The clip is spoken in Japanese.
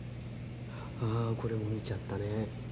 あこれも見ちゃったね。